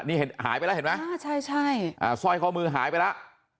นี่เห็นหายไปแล้วเห็นไหมอ่าใช่ใช่อ่าสร้อยข้อมือหายไปแล้ว